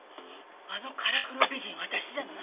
あのカラフル美人私じゃない？